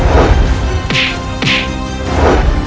aku mau kesana